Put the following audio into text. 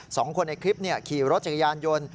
สองคนในคลิปขี่รถจักรยานยนต์